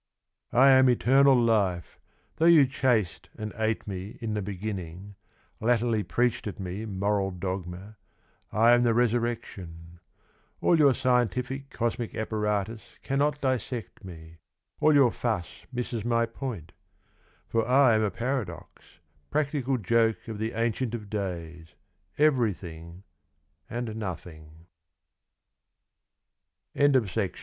I am eternal life, Though you chased and ate me In the beginning, Latterly preached at me mortal dogma, I am the resurrection. All your scientific Cosmic apparatus Cannot dissect me, all your fuss Misses my point : For I am a paradox, practical joke Of the ancient of Days